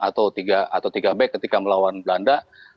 atau tiga back ketika melawan belanda